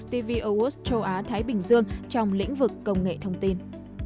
stevie owens châu á thái bình dương trong lĩnh vực công nghệ thông tin